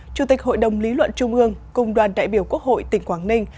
chủ tịch hội đồng lý luận trung ương cùng đoàn đại biểu quốc hội tỉnh quảng ninh